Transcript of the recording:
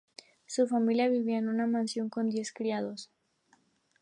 Su familia vivía en una mansión con diez criados.